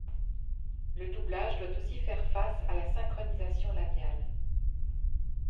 Le doublage doit aussi faire face à la synchronisation labiale.